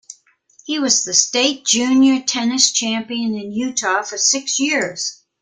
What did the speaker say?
He was the state junior tennis champion in Utah for six years.